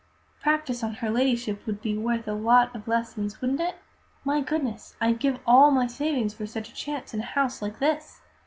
Practice on her Ladyship would be worth a lot of lessons, wouldn't it? My goodness! I'd give all my savings for such a chance in a house like this!